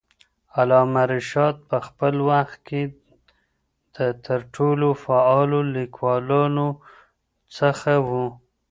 علامه رشاد په خپل وخت کې د تر ټولو فعالو لیکوالانو څخه وو.